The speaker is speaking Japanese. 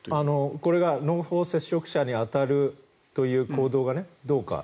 これが濃厚接触者に当たるという行動がどうか。